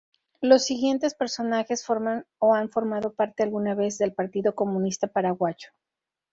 Los siguientes personajes forman o han formado parte alguna vez del Partido Comunista Paraguayo.